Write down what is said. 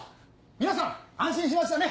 皆さん安心しましたね。